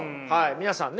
皆さんね